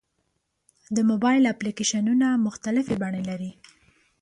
د موبایل اپلیکیشنونه مختلفې بڼې لري.